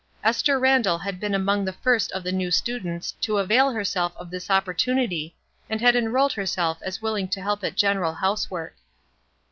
Esther Randall had been among the first of the new students to avad herseH of this opportunity, and had enrolled herself a« willing to help at general housework.